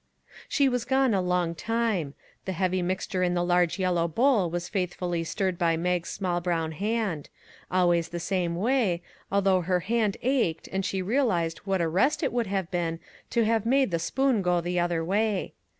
She was gone a long time ; the heavy mixture in the large yellow bowl was faithfully stirred by Mag's small brown hand; always the same way, although her hand ached, and she realized what a rest it would have been to have made the spoon go the other way.